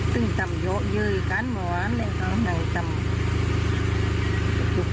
ถึงก็แค้นเลย